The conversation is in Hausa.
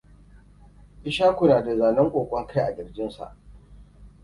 Ishaku na da zanen ƙoƙon kai a ƙirjinsa.